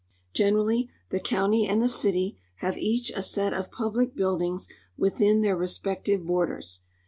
Generally, the county and the city have each a set of public buildings within their respective borders.